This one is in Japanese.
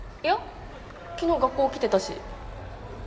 昨日学校来てたし。